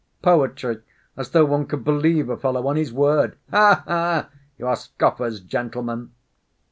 Poetry! As though one could believe a fellow on his word. Ha ha! You are scoffers, gentlemen!"